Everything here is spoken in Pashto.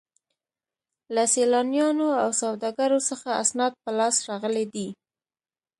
له سیلانیانو او سوداګرو څخه اسناد په لاس راغلي دي.